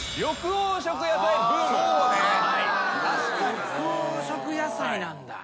緑黄色野菜なんだ。